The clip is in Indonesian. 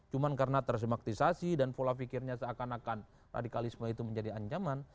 cuma karena tersimaktisasi dan pola pikirnya seakan akan radikalisme itu menjadi ancaman